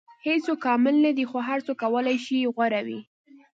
• هیڅوک کامل نه دی، خو هر څوک کولی شي غوره وي.